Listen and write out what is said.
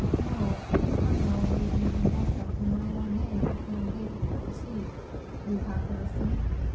"No; the cardinal made me invest them in my own name, and gave me a receipt." "You have the receipt?"